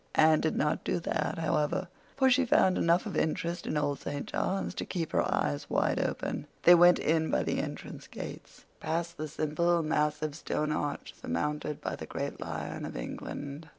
Anne did not do that, however, for she found enough of interest in Old St. John's to keep her eyes wide open. They went in by the entrance gates, past the simple, massive, stone arch surmounted by the great lion of England.